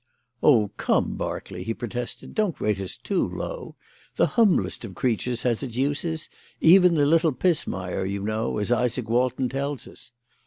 "Oh, come, Berkeley!" he protested, "don't rate us too low. The humblest of creatures has its uses 'even the little pismire,' you know, as Isaak Walton tells us.